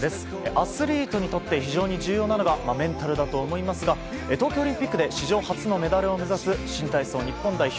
アスリートにとって非常に重要なのがメンタルだと思いますが東京オリンピックで史上初のメダルを目指す新体操日本代表